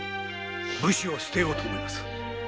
武士を捨てようと思います。